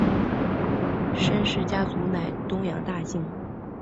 申氏家族乃东阳大姓。